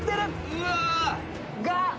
うわ！